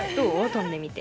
跳んでみて。